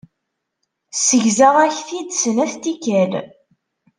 Segzaɣ-ak-t-id snat n tikkal.